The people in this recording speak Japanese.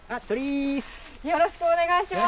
よろしくお願いします。